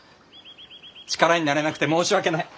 力になれなくて申し訳ない。